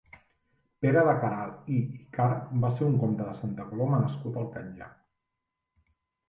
Pere de Queralt i Icart va ser un comte de Santa Coloma nascut al Catllar.